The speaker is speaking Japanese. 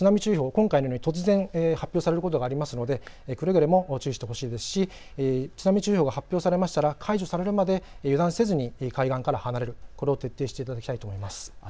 今回のように突然発表されることがあるのでくれぐれも注意してほしいですし、津波注意報が発表されましたが解除されるまで油断せずに海岸から離れる、これを徹底していただきたいと思います。